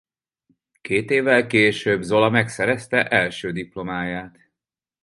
Két évvel később Zola megszerezte első diplomáját.